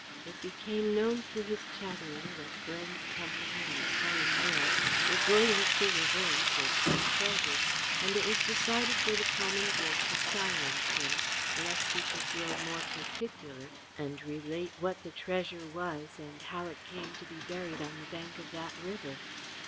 It became known through his chattering that Glen's company and Cullen Mayle were going up the river in search of treasure, and it was decided for the common good to silence him lest he should grow more particular, and relate what the treasure was and how it came to be buried on the bank of that river.